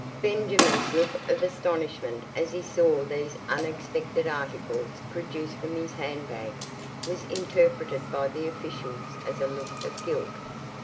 Benjamin's look of astonishment as he saw these unexpected articles produced from his hand bag was interpreted by the officials as a look of guilt.